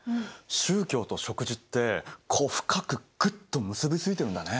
宗教と食事ってこう深くグッと結び付いてるんだね。